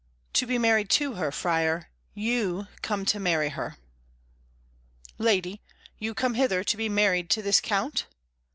"To be married to her; Friar, you come to marry her." "Lady, you come hither to be married to this Count?"